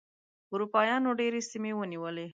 اروپایانو ډېرې سیمې ونیولې.